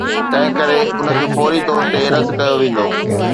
تنهنڪري ان کي فوري طور تي رد ڪيو ويندو.